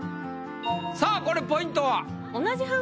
さあこれポイントは？